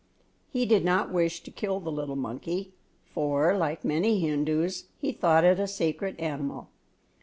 He did not wish to kill the little monkey; for, like many Hindus, he thought it a sacred animal.